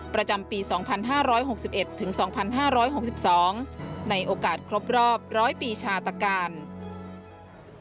ประจำปี๒๕๖๑ถึง๒๕๖๒ในโอกาสครบรอบ๑๐๐ปีชาตการ